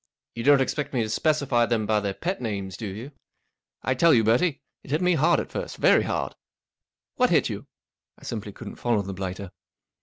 You don't expect me to specify them by their pet names, do you ? I tell you, Bertie, it hit me hard at first, very hard." 44 What hit you ?" I simply couldn't follow the blighter.